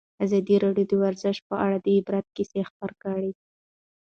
ازادي راډیو د ورزش په اړه د عبرت کیسې خبر کړي.